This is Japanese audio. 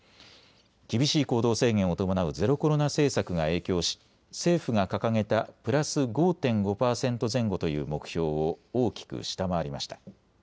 厳しい行動制限を伴うゼロコロナ政策が影響し政府が掲げたプラス５．５％前後という目標を大きく下回りました。